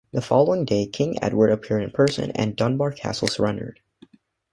The following day King Edward appeared in person and Dunbar castle surrendered.